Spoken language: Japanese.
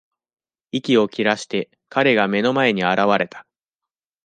息を切らして、彼が目の前に現れた。